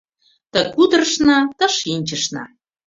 Ты кутырышна, ты шинчышна.